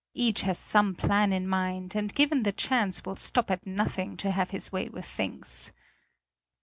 Each has some plan in mind, and given the chance will stop at nothing to have his way with things.